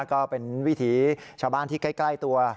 ก็เป็นวิถีชาวบ้านที่ใกล้ตัว